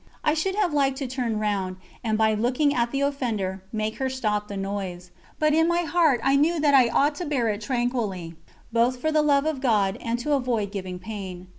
I should have liked to turn round, and by looking at the offender, make her stop the noise; but in my heart I knew that I ought to bear it tranquilly, both for the love of God and to avoid giving pain.